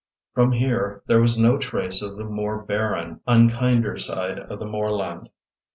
From here there was no trace of the more barren, unkinder side of the moorland.